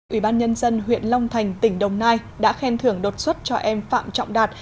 ủy ban nhân dân huyện long thành tỉnh đồng nai đã khen thưởng đột xuất cho em phạm trọng đạt